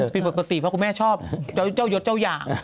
ผิดปกติเพราะคุณแม่ชอบเจ้ายศเจ้าอย่าง